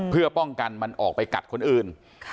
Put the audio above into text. เพื่อป้องกันมันออกไปกัดคนอื่น